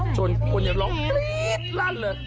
โชนคนลองกรี๊ดลั่นเลย